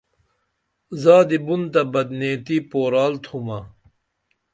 زادی بُن تہ بدنیتی پورال تھومہ